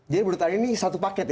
jadi menurut anda ini satu paket ya